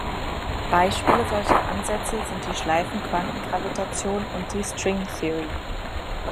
Beispiele solcher Ansätze sind die Schleifenquantengravitation und die Stringtheorie.